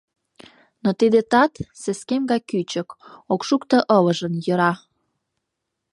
Но тиде тат — сескем гай кӱчык, ок шукто ылыжын — йӧра.